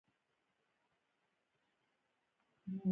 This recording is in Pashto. که می څوک په فقیری شمېري فقیر سم.